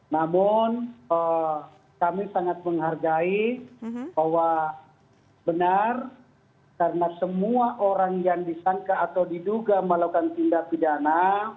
namun kami sangat menghargai bahwa benar karena semua orang yang disangka atau diduga melakukan tindak pidana